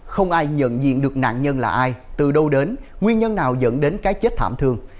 không ai nhận diện được nạn nhân là ai từ đâu đến nguyên nhân nào dẫn đến cái chết thảm thương